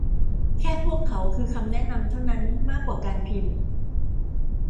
แค่พวกเขาคือคำแนะนำเท่านั้นมากกว่าการพิมพ์